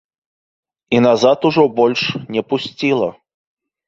І назад ужо больш не пусціла.